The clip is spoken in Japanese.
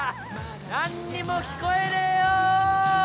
何にも聞こえねえよ！